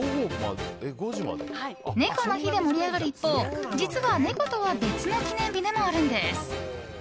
猫の日で盛り上がる一方実は、猫とは別の記念日でもあるんです。